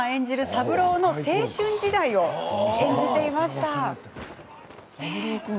三郎の青春時代を演じていました。